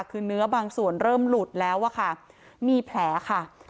คือเนื้อบางส่วนเริ่มหลุดแล้วอะค่ะมีแผลค่ะ